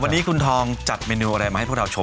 วันนี้คุณทองจัดเมนูอะไรมาให้พวกเราชม